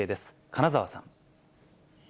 金澤さん。